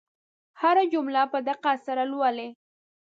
هره جمله په دقت سره لولئ.